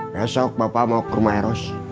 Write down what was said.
besok bapak mau ke rumah eros